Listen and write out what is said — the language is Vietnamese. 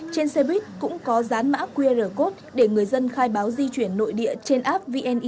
trên xe buýt cũng có dán mã qr code để người dân khai báo di chuyển nội địa trên app vnei